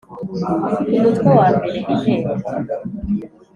Umutwe wa mbere Inteko